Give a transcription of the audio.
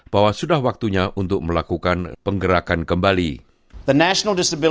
bahwa sudah waktunya untuk melakukan penggerakan kembali